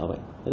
đi chợ vậy